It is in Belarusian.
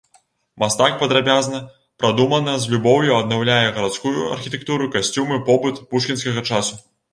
Мастак падрабязна, прадумана, з любоўю аднаўляе гарадскую архітэктуру, касцюмы, побыт пушкінскага часу.